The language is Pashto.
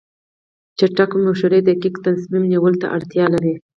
چټک مشورې دقیق تصمیم نیولو ته اړتیا لري.